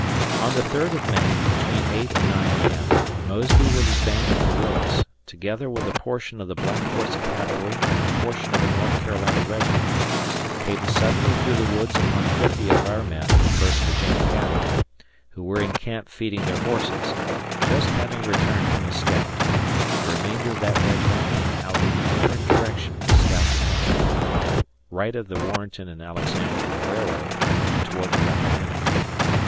On the third of May, between 8 and 9 A.M., Mosby with his band of guerrillas, together with a portion of the Black Horse Cavalry and a portion of a North Carolina regiment, came suddenly through the woods upon 50 of our men of the First Virginia Cavalry, who were in camp feeding their horses, just having returned from a scout, the remainder of that regiment being out in a different direction to scout the country on the right of the Warrenton and Alexandria Railroad and toward the Rappahannock.